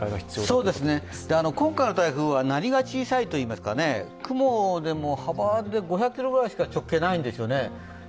そうですね、今回の台風はなりが小さいといいますか雲、でも、幅で５００ｋｍくらいしか直径がないんですよね。